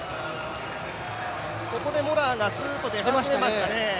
ここでモラアがすっと出始めましたね。